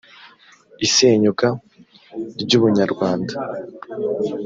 isenyuka ry’ubunyarwanda